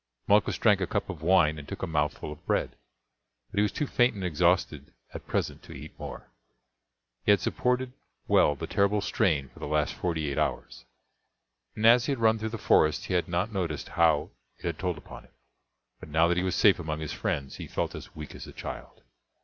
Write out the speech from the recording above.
Malchus drank a cup of wine and took a mouthful of bread; but he was too faint and exhausted at present to eat more. He had supported well the terrible strain for the last forty eight hours, and as he had run through the forest he had not noticed how it had told upon him; but now that he was safe among his friends he felt as weak as a child.